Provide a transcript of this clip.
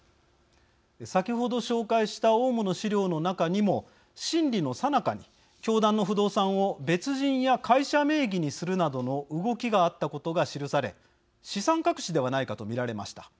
先ほど紹介したオウムの資料の中にも審理のさなかに教団の不動産を別人や会社名義にするなどの動きがあったことが記され資産隠しではないかと見られました。